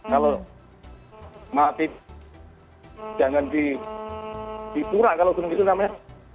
kalau mati jangan di pura kalau gitu namanya